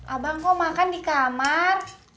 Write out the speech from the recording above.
abang kau makan di kamar